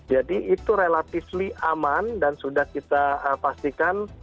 jadi itu relatif aman dan sudah kita pastikan